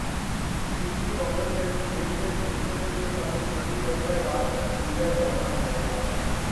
اکیسویں Commonwealth games میں شرکت کے لئے پاکستانی دستہ رات سٹریلیا روانہ ہو گا